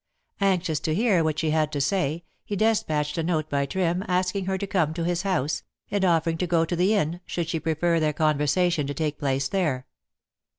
Anxious to hear what she had to say, he despatched a note by Trim asking her to come to his house, and offering to go to the inn, should she prefer their conversation to take place there.